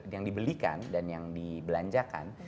yang dibelikan dan yang dibelanjakan